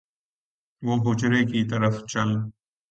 وہ حجرے کی طرف چل